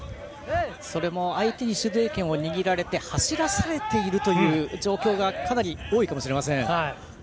それも相手に主導権を握られて走らされているという状況がかなり多いかもしれません。